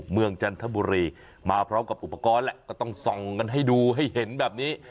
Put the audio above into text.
จันทบุรีมาพร้อมกับอุปกรณ์แหละก็ต้องส่องกันให้ดูให้เห็นแบบนี้